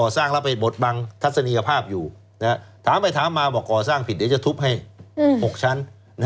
ถามไปถามมาบอกก่อสร้างผิดเดี๋ยวจะทุบให้๖ชั้น